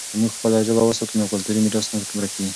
که موږ خپله ژبه وساتو، نو کلتوري میراث نه ورکېږي.